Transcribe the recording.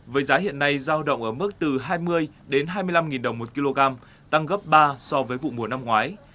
với giá hiện nay giao động ở mức từ hai mươi đến hai mươi năm đồng một kg tăng gấp ba so với vụ mùa năm ngoái